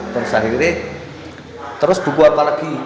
terus akhirnya terus buku apa lagi